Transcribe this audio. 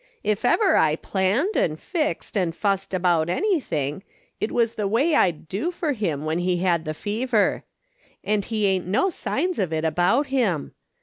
If ever I planned, and fixed, and fussed out anything, it was the way I'd do for him when he had the fever; and he ain't no signs of it about him